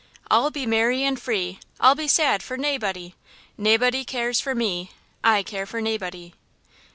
I'll be merry and free, I'll be sad for naebody; Naebody cares for me, I care for naebody.